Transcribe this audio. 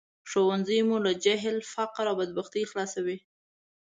ښوونځی مو له جهل، فقر او بدبختۍ خلاصوي